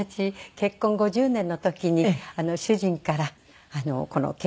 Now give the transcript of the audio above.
結婚５０年の時に主人からこの結婚指輪を。